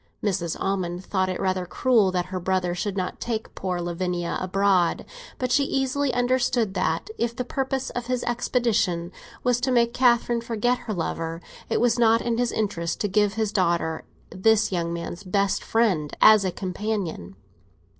Mrs. Almond thought it rather cruel that her brother should not take poor Lavinia abroad; but she easily understood that, if the purpose of his expedition was to make Catherine forget her lover, it was not in his interest to give his daughter this young man's best friend as a companion.